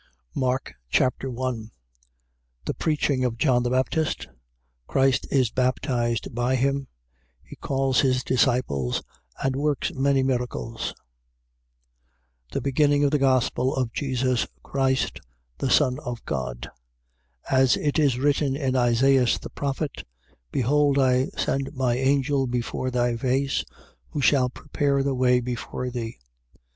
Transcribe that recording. Mark Chapter 1 The preaching of John the Baptist. Christ is baptized by him. He calls his disciples and works many miracles. 1:1. The beginning of the gospel of Jesus Christ, the Son of God. 1:2. As it is written in Isaias the prophet: Behold I send my angel before thy face, who shall prepare the way before thee.